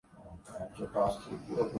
برتن میں پڑے رہنے کے بعد